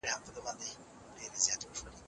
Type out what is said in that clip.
یا هغوی تل د ستونزو په اړه خبرې کوي؟